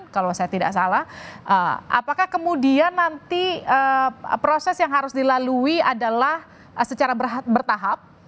kalau saya tidak salah apakah kemudian nanti proses yang harus dilalui adalah secara bertahap